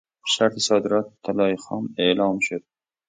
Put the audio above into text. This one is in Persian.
شرط صادرات طلای خام اعلام شد.